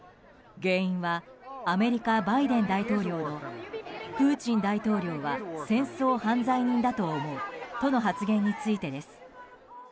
原因はアメリカバイデン大統領のプーチン大統領は戦争犯罪人だと思うとの発言についてです。